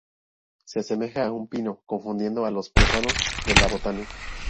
Se asemeja a un pino, confundiendo a los profanos de la Botánica.